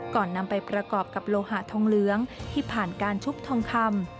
นำไปประกอบกับโลหะทองเหลืองที่ผ่านการชุบทองคำ